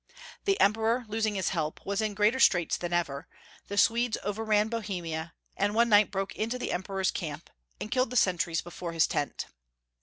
The Emperor, losing his help, was in greater straits than ever, the Swedes over ran Bohemia, and one night broke into the Em peror's camp, and killed the sentries before his tent.